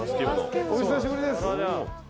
お久しぶりです。